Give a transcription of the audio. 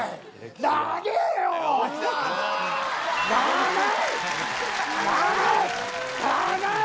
長い！